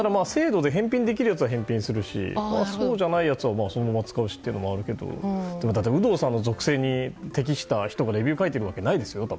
返品できるやつは返品するしそうじゃないやつはそのまま使うしっていうのもあるけど、有働さんの属性に適した人がレビュー書いているわけないですよと。